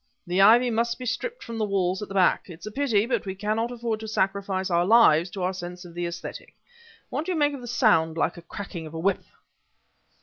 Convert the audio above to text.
The ivy must be stripped from the walls at the back. It's a pity, but we can not afford to sacrifice our lives to our sense of the aesthetic. What do you make of the sound like the cracking of a whip?"